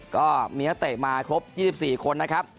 ก็มีนักเตะมาครบ๒๔คนนะครับ